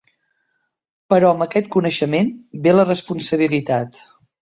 Però amb aquest coneixement ve la responsabilitat.